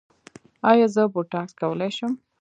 ایا زه بوټاکس کولی شم؟